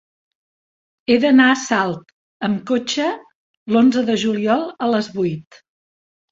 He d'anar a Salt amb cotxe l'onze de juliol a les vuit.